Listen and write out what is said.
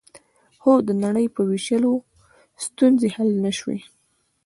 خو د نړۍ په وېشلو ستونزې حل نه شوې